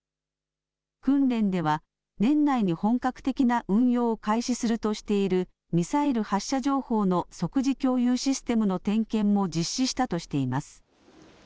訓練では、年内に本格的な運用を開始するとしているミサイル発射情報の即時共有システムの点検も実施したとしています。